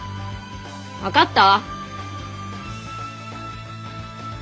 分かった？